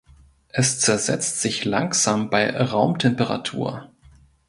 Es zersetzt sich langsam bei Raumtemperatur.